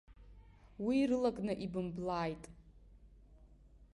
Уи рылакны ибымблааит!